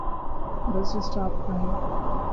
بس سٹاپ پہ ہوں۔